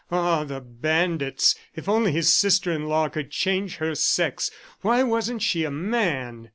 Ah, the bandits! ... If only his sister in law could change her sex! Why wasn't she a man?